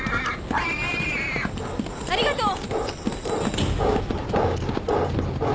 ありがとう！